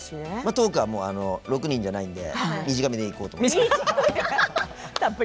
トークは６人じゃないので短めでいこうと思ってます。